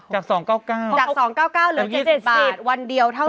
จาก๒๙๙เหลือ๗๗๐บาทวันเดียวเท่านั้น